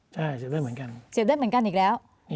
ใช่เจ็บได้เหมือนกันเจ็บได้เหมือนกันอีกแล้ว